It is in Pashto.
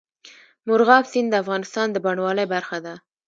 مورغاب سیند د افغانستان د بڼوالۍ برخه ده.